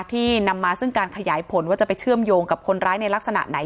นำมาซึ่งการขยายผลว่าจะไปเชื่อมโยงกับคนร้ายในลักษณะไหน